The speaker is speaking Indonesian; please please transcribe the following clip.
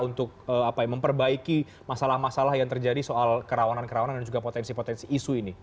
untuk memperbaiki masalah masalah yang terjadi soal kerawanan kerawanan dan juga potensi potensi isu ini